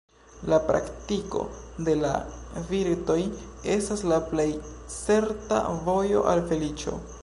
La praktiko de la virtoj estas la plej certa vojo al feliĉo.